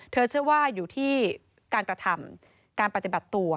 เชื่อว่าอยู่ที่การกระทำการปฏิบัติตัว